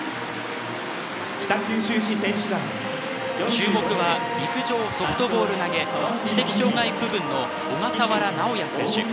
注目は陸上ソフトボール投げ知的障害区分の小笠原尚弥選手。